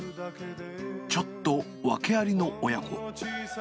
ちょっと訳ありの親子。